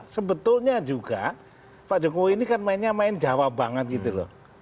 sebetulnya juga pak jokowi ini kan mainnya main jawa banget gitu loh